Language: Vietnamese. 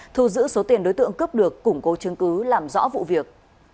thu giữ số tiền đối tượng cướp được củng cố chứng cứ làm rõ vụ việc